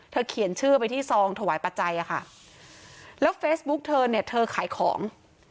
เขียนชื่อไปที่ซองถวายปัจจัยอะค่ะแล้วเฟซบุ๊กเธอเนี่ยเธอขายของ